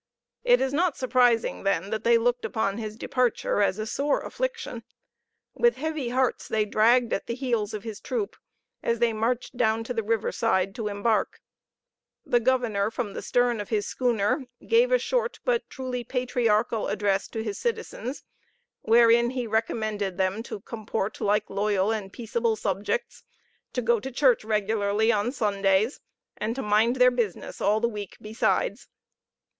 It is not surprising, then, that they looked upon his departure as a sore affliction. With heavy hearts they dragged at the heels of his troop, as they marched down to the riverside to embark. The governor from the stern of his schooner gave a short but truly patriarchal address to his citizens, wherein he recommended them to comport like loyal and peaceable subjects to go to church regularly on Sundays, and to mind their business all the week besides.